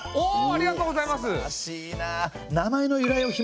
ありがとうございます！